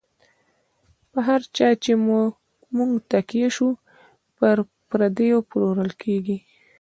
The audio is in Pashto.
په هر چا چی مو نږ تکیه شو، پر پردیو پلورل کیږی